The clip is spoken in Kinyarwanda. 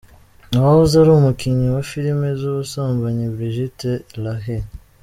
uwahoze ari umukinnyi wa filime z’ ubusambanyi Brigitte Lahaie.